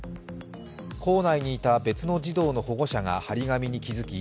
校内にいた別の児童の保護者が貼り紙に気付き